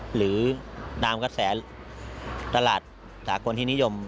หรือดามกระแสตลาดสหกคนที่นิยม